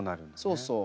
そうそう。